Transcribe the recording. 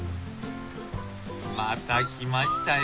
また来ましたよ